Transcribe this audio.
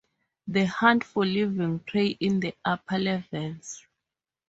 They hunt for living prey in the upper levels.